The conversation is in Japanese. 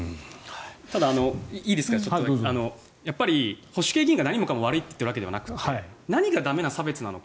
ただ、保守系議員が何もかも悪いと言ってるわけではなく何が駄目な差別なのか